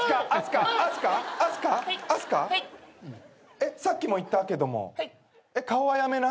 えっさっきも言ったけども顔はやめな。